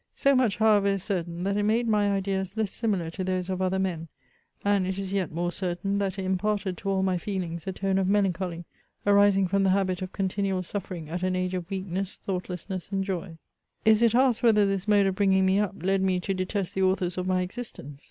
So much, how ever, is certain, that it made my ideas less similar to those of other men ; and it is yet mpre certain, that it imparted to all my feelings a tone of melancholy, arising ^m the habit of continual suffering at an age of weakness, thoughtlessness, and joy , Is it asked whether this mode of bringing me up, led me to detest the authors of my existence